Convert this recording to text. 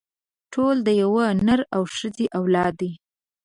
ټول د يوه نر او ښځې اولاده دي.